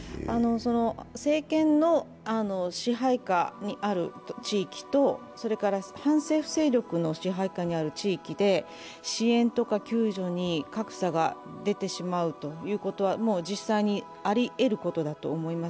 政権の支配下にある地域とそれから反政府勢力の支配下にある地域で支援とか救助に格差が出てしまうということは実際にありえることだと思います。